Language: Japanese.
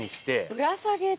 ぶら下げて。